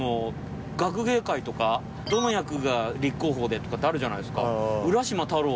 学芸会とかどの役が立候補でとかってあるじゃないですか。